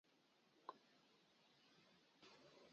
Màrzòŋɡá má tâ.